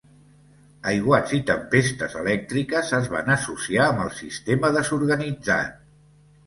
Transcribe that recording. Aiguats i tempestes elèctriques es van associar amb el sistema desorganitzat.